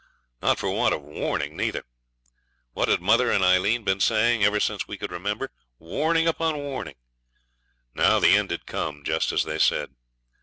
Not for want of warning, neither. What had mother and Aileen been saying ever since we could remember? Warning upon warning. Now the end had come just as they said.